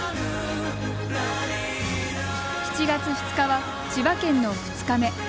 ７月２日は千葉県の２日目。